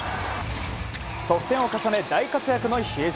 得点を重ね大活躍の比江島。